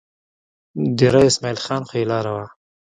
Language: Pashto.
دېره اسمعیل خان خو یې لار وه.